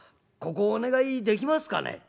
ここをお願いできますかね？」。